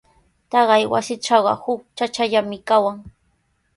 Taqay wasitrawqa huk chachallami kawan.